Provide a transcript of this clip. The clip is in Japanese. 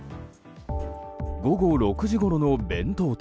午後６時ごろの弁当店。